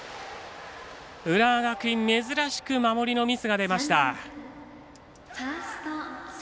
浦和学院、珍しく守りのミスが出ました。